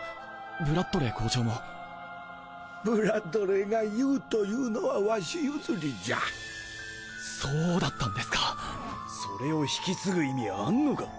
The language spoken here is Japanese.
ブラッドレー校長もブラッドレーがＹＯＵと言うのはワシ譲そうだったんですかそれを引き継ぐ意味あんのか？